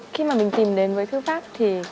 khi mà mình tìm đến với thư pháp thì